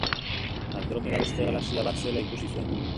Andromeda beste galaxia bat zela ikusi zuen.